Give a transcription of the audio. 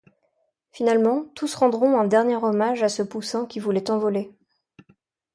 Finalement, tous rendront un dernier hommage à ce poussin qui voulait tant voler.